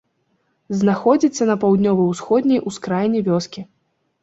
Знаходзіцца на паўднёва-ўсходняй ускраіне вёскі.